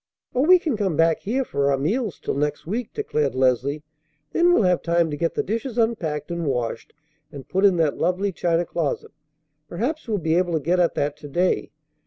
"Oh, we can come back here for our meals till next week," declared Leslie. "Then we'll have time to get the dishes unpacked and washed and put in that lovely china closet. Perhaps we'll be able to get at that to day.